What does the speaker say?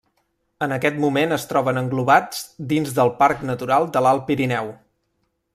En aquest moment es troben englobats dins del Parc Natural de l'Alt Pirineu.